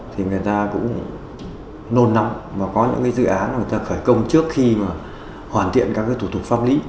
thì người ta cũng nôn nắm và có những dự án người ta khởi công trước khi mà hoàn thiện các thủ tục pháp lý